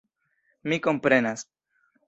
Mi komprenas.